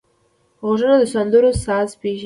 غوږونه د سندرو ساز پېژني